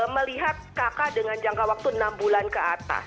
melihat kakak dengan jangka waktu enam bulan ke atas